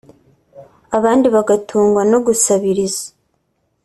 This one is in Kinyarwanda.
abandi bagatungwa no gusabiriza